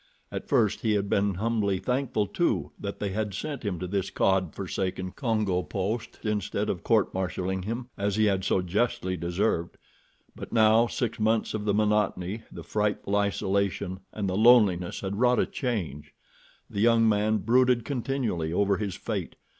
At first he had been humbly thankful, too, that they had sent him to this Godforsaken Congo post instead of court martialing him, as he had so justly deserved; but now six months of the monotony, the frightful isolation and the loneliness had wrought a change. The young man brooded continually over his fate.